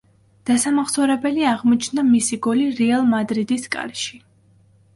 დასამახსოვრებელი აღმოჩნდა მისი გოლი „რეალ მადრიდის“ კარში.